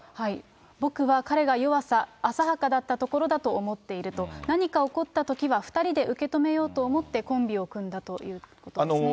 僕は、彼が弱さ、浅はかだったところだと思っていると、何か起こったときは、２人で受け止めようと思って、コンビを組んだということですね。